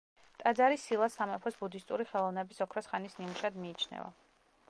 ტაძარი სილას სამეფოს ბუდისტური ხელოვნების ოქროს ხანის ნიმუშად მიიჩნევა.